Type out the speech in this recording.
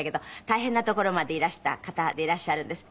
大変なところまでいらした方でいらっしゃるんです。